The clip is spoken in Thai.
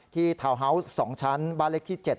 ทาวน์ฮาวส์๒ชั้นบ้านเล็กที่๗